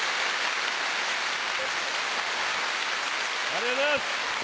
ありがとうございます！